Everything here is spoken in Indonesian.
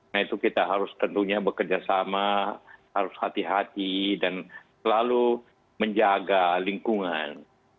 nah itu kita harus tentunya bekerja sama harus hati hati dan selalu menjaga lingkungan